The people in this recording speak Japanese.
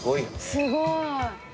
すごい。